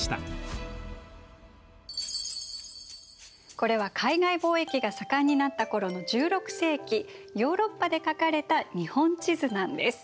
これは海外貿易が盛んになった頃の１６世紀ヨーロッパで描かれた日本地図なんです。